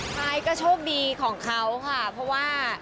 ซ้ายก็โชคดีของเขาค่ะเพราะว่า